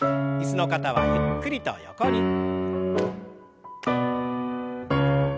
椅子の方はゆっくりと横に。